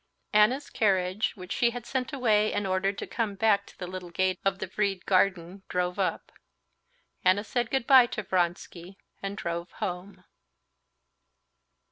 Anna's carriage, which she had sent away, and ordered to come back to the little gate of the Vrede garden, drove up. Anna said good bye to Vronsky, and drove home.